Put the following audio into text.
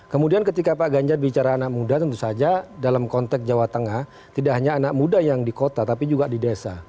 kemudian ketika pak ganjar bicara anak muda tentu saja dalam konteks jawa tengah tidak hanya anak muda yang di kota tapi juga di desa